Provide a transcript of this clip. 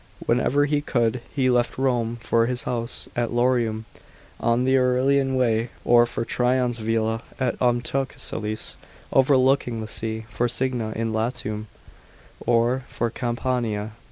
Whenever he could, he left Rome for his house at Lorium on the Aurelian Way, or for Trajan's villa at Ontumcellse, overlooking the sea, for Signia in Latium, or for Campania.